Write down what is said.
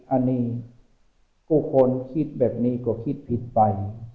อันนี้ผู้คนคิดแบบนี้ก็คิดผิดไป